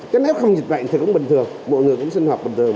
chứ nếu không dịch bệnh thì cũng bình thường mọi người cũng sinh hoạt bình thường